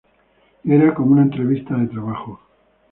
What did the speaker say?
Era como una entrevista de trabajo.